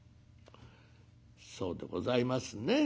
「そうでございますね。